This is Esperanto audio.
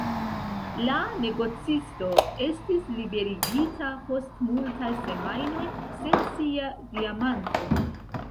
La negocisto estis liberigita post multaj semajnoj, sen sia diamanto.